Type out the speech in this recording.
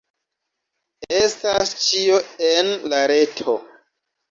Estas ĉio en la reto.